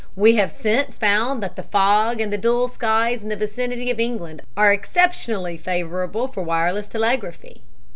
"We have since found that the fog and the dull skies in the vicinity of England are exceptionally favorable for wireless telegraphy."